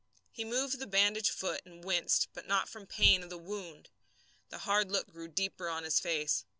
He moved the bandaged foot and winced, but not from the pain of the wound. The hard look grew deeper on his face.